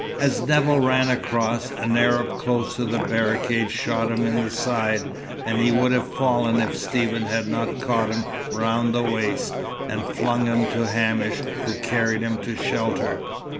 As Nevill ran across, an Arab close to the barricade shot him in the side, and he would have fallen if Stephen had not caught him round the waist, and flung him to Hamish, who carried him to shelter.